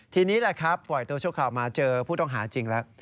ทีนี้แหละครับปล่อยตัวชั่วคราวมาเจอผู้ต้องหาจริงแล้ว